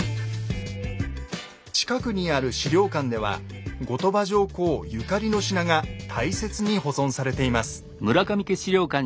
近くにある資料館では後鳥羽上皇ゆかりの品が大切に保存されています。